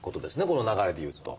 この流れでいうと。